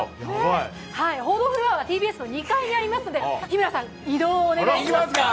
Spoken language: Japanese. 報道フロアはＴＢＳの２階にありますので、日村さん、移動をお願いします。